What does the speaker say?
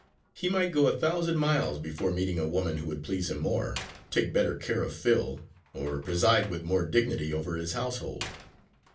He might go a thousand miles before meeting a woman who would please him more, take better care of Phil, or preside with more dignity over his household.